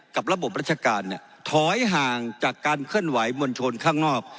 กับระบบราชการเนี่ยถอยห่างจากการเคลื่อนไหวมวลชนข้างนอก